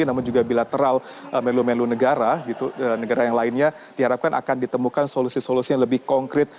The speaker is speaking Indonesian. namun juga bilateral menlu menlu negara negara yang lainnya diharapkan akan ditemukan solusi solusi yang lebih konkret